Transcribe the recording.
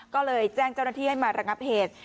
ก็เลยแจ้งเจ้าหน้าที่ให้มาระงับเหตุ